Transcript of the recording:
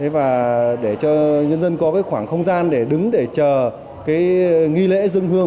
và để cho nhân dân có cái khoảng không gian để đứng để chờ cái nghi lễ dương hương